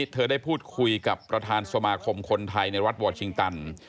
เธอได้พูดคุยกับประธานสมาคมคนไทยในรัฐวอร์ชิงตัน